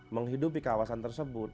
menghidupi kawasan tersebut